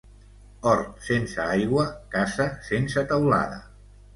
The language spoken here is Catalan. Hort sense aigua, casa sense teulada.